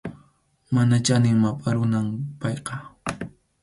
Mana chanin mapʼa runam payqa.